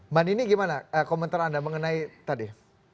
mbak nini gimana komentar anda mengenai tadi